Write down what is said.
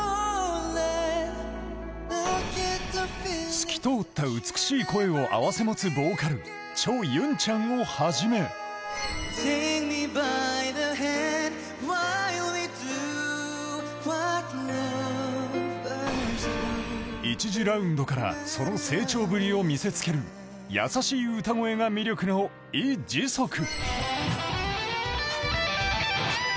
透き通った美しい声を併せ持つボーカル、チョ・ユンチャンをはじめ１次ラウンドからその成長ぶりを見せつける優しい歌声が魅力のイ・ジソク。